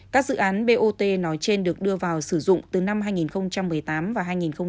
các dự án bot nói trên được đưa vào sử dụng từ năm hai nghìn một mươi tám và hai nghìn một mươi bảy